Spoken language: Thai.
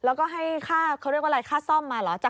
แล้วก็ให้ค่าเขาเรียกว่าอะไรค่าซ่อมมาเหรอ